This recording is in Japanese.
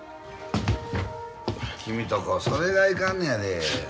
君とこはそれがいかんのやで。